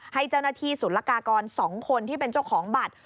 ให้เจ้าหน้าที่ศูนย์ละกากร๒คนที่เป็นเจ้าของบัตร